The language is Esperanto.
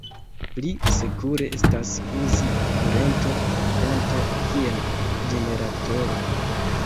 Pli sekure estas uzi kurento-fonto kiel generatoro.